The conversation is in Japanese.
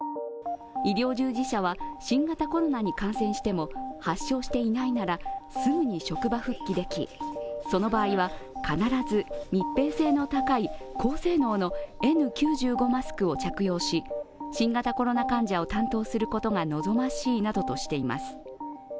医療従事者は新型コロナに感染しても発症していないならすぐに職場復帰できその場合は必ず密閉性の高い高性能のＮ９５マスクを着用し、新型コロナ患者を担当することが望ましいなどとしています。